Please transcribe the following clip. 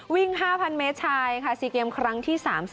๕๐๐เมตรชายค่ะ๔เกมครั้งที่๓๐